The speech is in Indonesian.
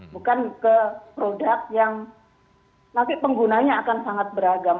bukan ke produk yang nanti penggunanya akan sangat beragam